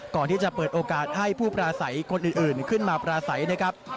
ก่อนที่จะเปิดโอกาสให้ผู้ปราศัยคนอื่นขึ้นมาปราศัยนะครับ